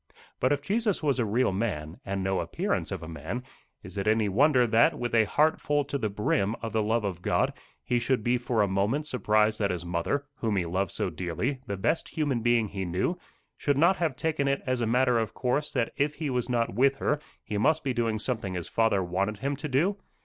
But if Jesus was a real man, and no mere appearance of a man, is it any wonder that, with a heart full to the brim of the love of God, he should be for a moment surprised that his mother, whom he loved so dearly, the best human being he knew, should not have taken it as a matter of course that if he was not with her, he must be doing something his Father wanted him to do?